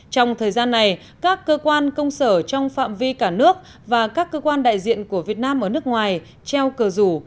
trong thời gian này các cơ quan công sở trong phạm vi cả nước và các cơ quan đại diện của việt nam ở nước ngoài treo cờ rủ